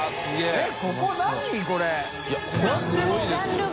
えっ！